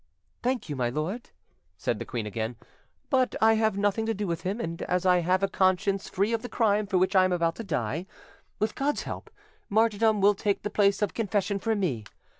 "Thank you, my lord," said the queen again, "but I have nothing to do with him, and as I have a conscience free of the crime for which I am about to die, with God's help, martyrdom will take the place of confession for me.